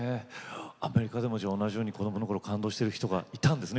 アメリカでもじゃあ同じように子どもの頃感動してる人がいたんですね